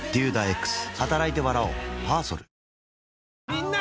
みんな！